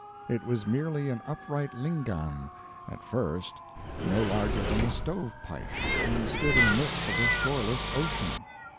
It was merely an upright "lingam," at first, no larger than a stove pipe, and stood in the midst of a shoreless ocean.